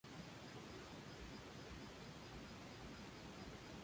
Existen numerosos edificios de apartamentos y hoteles.